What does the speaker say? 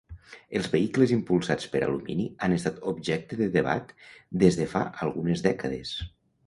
Els vehicles impulsats per alumini han estat objecte de debat des de fa algunes dècades.